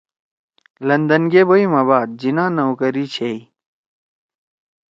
لندن گے بیُو ما بعد جناح نوکری چھیئی